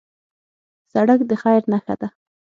سړک د خیر نښه ده.